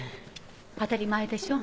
当たり前でしょ